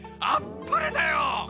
あっぱれだよ！